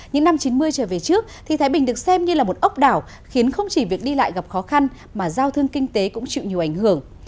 những năm chín mươi trở về trước thì thái bình được xem như là một ốc đảo khiến không chỉ việc đi lại gặp khó khăn mà giao thương kinh tế cũng chịu nhiều ảnh hưởng